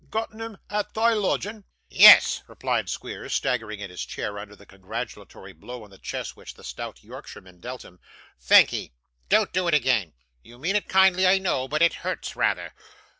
Gotten him at thy loodgin'?' 'Yes,' replied Squeers, staggering in his chair under the congratulatory blow on the chest which the stout Yorkshireman dealt him; 'thankee. Don't do it again. You mean it kindly, I know, but it hurts rather.